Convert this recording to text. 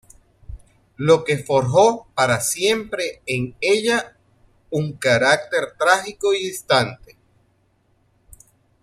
Lo que forjó para siempre en ella un carácter trágico y distante.